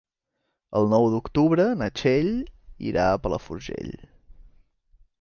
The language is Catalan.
El nou d'octubre na Txell irà a Palafrugell.